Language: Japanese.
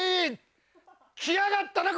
来やがったな